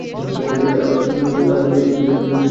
তার লাল মুখে মোটা ভুরুদুটোও বীভৎস গাঢ় লাল রঙে গভীরভাবে আঁকা।